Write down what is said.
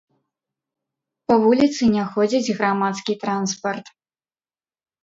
Па вуліцы не ходзіць грамадскі транспарт.